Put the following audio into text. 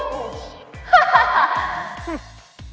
อนเติม